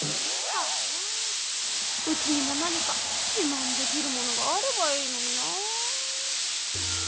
うちにもなにかじまんできるものがあればいいのにな。